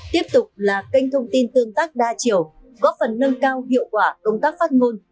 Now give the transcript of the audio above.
tiếp tục là kênh thông tin tương tác đa chiều góp phần nâng cao hiệu quả công tác phát ngôn